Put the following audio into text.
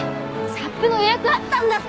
サップの予約あったんだった。